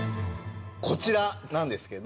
こちらなんですけど。